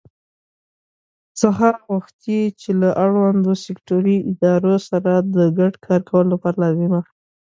څخه غوښتي چې له اړوندو سکټوري ادارو سره د ګډ کار کولو لپاره لازمه